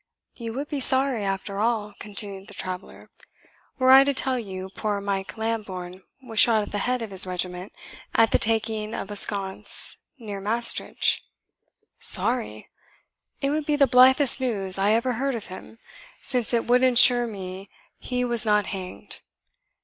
"You would be sorry, after all," continued the traveller, "were I to tell you poor Mike Lambourne was shot at the head of his regiment at the taking of a sconce near Maestricht?" "Sorry! it would be the blithest news I ever heard of him, since it would ensure me he was not hanged.